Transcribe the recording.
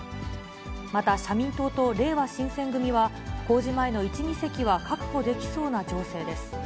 また社民党とれいわ新選組は、公示前の１議席は確保できそうな情勢です。